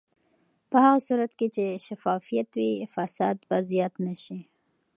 په هغه صورت کې چې شفافیت وي، فساد به زیات نه شي.